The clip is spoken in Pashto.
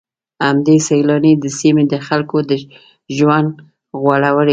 همدې سيلانۍ د سيمې د خلکو ژوند غوړولی.